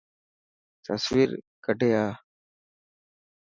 تصوير ڪڌي آءِ.